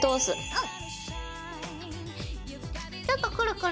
うん！